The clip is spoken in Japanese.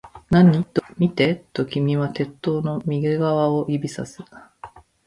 何？と僕は言う。見て、と君は鉄塔の右側を指差す